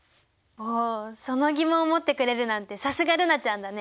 おおその疑問を持ってくれるなんてさすが瑠菜ちゃんだね。